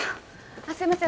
あっすいません